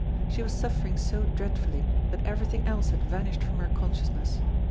She was suffering so dreadfully that everything else had vanished from her consciousness.